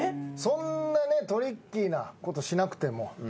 そんなねトリッキーなことしなくても。